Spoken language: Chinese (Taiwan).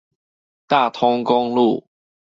大通公路